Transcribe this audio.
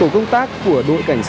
và phụ huynh